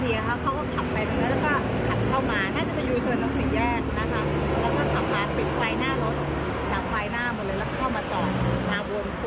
ต้องก็ขับมาแต็ดไฟให้นี่เป็นขวายหน้ารถแล้วก็เข้ามาจอด